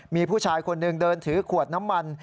มีผู้ชายคนหนึ่งเดินถือขวดน้ำมัน